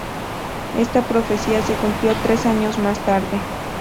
Esta profecía se cumplió tres años más tarde.